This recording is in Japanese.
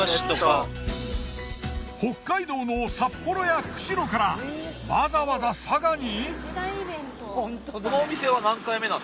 北海道の札幌や釧路からわざわざ佐賀に？